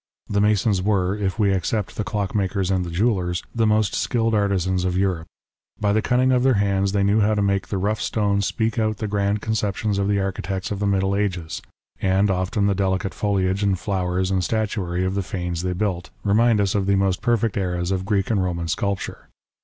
The masons were, if we except the clockmakers and jewellers, the most skilled artisans of Europe. By the cunning of their hands they knew how to make the rough stone speak out the grand conceptions of the architects of the middle ages ; and often, the delicate foliage and flowers and statuary of the fanes they built, remind us of the most perfect eras of Greek and Eoman sculpture.